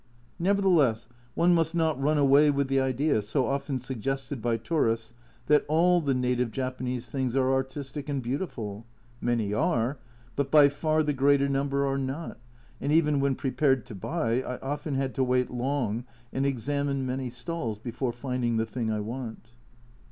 Nevertheless one must not run away with the idea, so often suggested by tourists, that all the native Japanese things are artistic and beautiful. Many are, but by far the greater number are not, and even when prepared to buy I often have to wait long and examine many stalls before finding the thing I want.